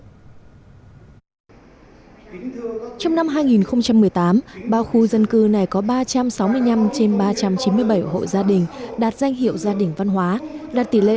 trong năm hai nghìn một mươi tám bao khu dân cư này có ba trăm sáu mươi năm trên ba trăm chín mươi bảy hộ gia đình đạt danh hiệu gia đình văn hóa đạt tỷ lệ chín mươi